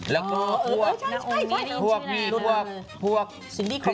แล้วก็พวกนี้พวก